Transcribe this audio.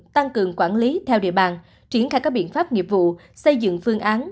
tăng cường quản lý theo địa bàn triển khai các biện pháp nghiệp vụ xây dựng phương án